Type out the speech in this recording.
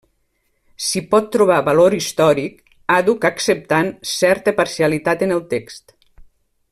S'hi pot trobar valor històric, àdhuc acceptant certa parcialitat en el text.